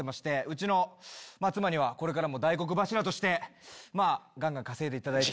うちの妻にはこれからも大黒柱としてガンガン稼いでいただいて。